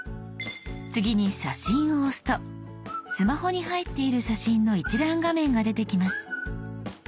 次に「写真」を押すとスマホに入っている写真の一覧画面が出てきます。